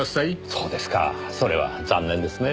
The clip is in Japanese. そうですかそれは残念ですねぇ。